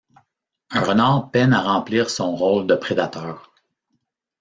Un renard peine à remplir son rôle de prédateur.